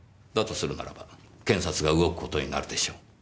とするならば検察が動く事になるでしょう。